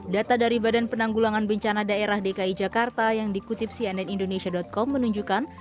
data dari badan penanggulangan bencana daerah dki jakarta yang dikutip cnn indonesia com menunjukkan